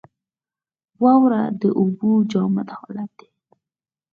واوره د اوبو جامد حالت دی.